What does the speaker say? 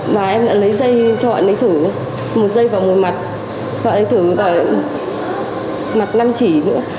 và em đã lấy dây cho bạn ấy thử một dây vào một mặt bạn ấy thử vào mặt năm trị nữa